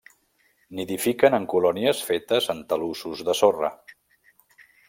Nidifiquen en colònies fetes en talussos de sorra.